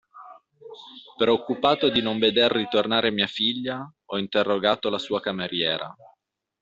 Preoccupato di non veder ritornare mia figlia, ho interrogato la sua cameriera.